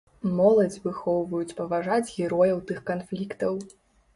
Моладзь выхоўваюць паважаць герояў тых канфліктаў.